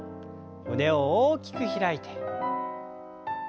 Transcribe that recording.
胸を大きく開いて。